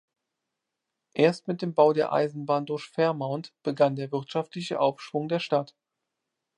Erst mit dem Bau der Eisenbahn durch Fairmont begann der wirtschaftliche Aufschwung der Stadt.